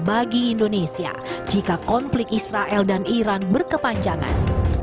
bagi indonesia jika konflik israel dan iran berkepanjangan